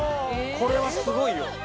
これはすごいよ。